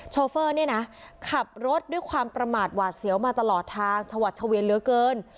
โฟเฟอร์เนี่ยนะขับรถด้วยความประมาทหวาดเสียวมาตลอดทางชวัดเฉวียนเหลือเกิน